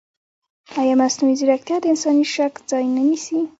ایا مصنوعي ځیرکتیا د انساني شک ځای نه نیسي؟